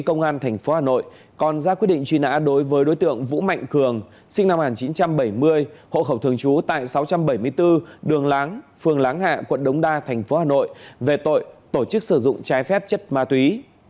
công an tp hà nội còn ra quyết định truy nã đối với đối tượng vũ mạnh cường sinh năm một nghìn chín trăm bảy mươi hộ khẩu thường trú tại sáu trăm bảy mươi bốn đường láng phường láng hạ quận đống đa thành phố hà nội về tội tổ chức sử dụng trái phép chất ma túy